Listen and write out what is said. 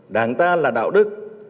đảng ta là đạo đức